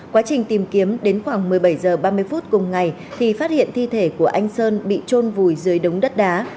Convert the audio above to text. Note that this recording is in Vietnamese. quá trình tìm kiếm đến khoảng một mươi bảy h ba mươi phút cùng ngày thì phát hiện thi thể của anh sơn bị trôn vùi dưới đống đất đá